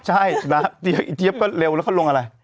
ใช่อีเจี๊ยบก็เร็วแล้วก็ลงอะไร